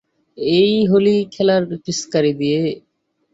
এই হলি খেলার পিস্কারি দিয়ে?